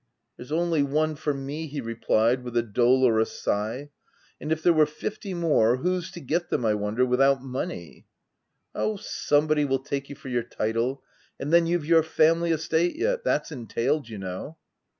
*"' There's only one for me, 7 he replied, with a dolorous sigh. l And if there were fifty more, whose to get them, I wonder, without money ?'"' Oh, somebody will take you for your title ; and then you've your family estate yet ; that's entailed, you know.'